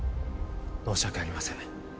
申し訳ありません